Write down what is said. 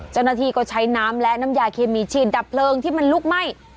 เจ้าหน้าที่ก็ใช้น้ำและน้ำยาเคมีฉีดดับเพลิงที่มันลุกไหม้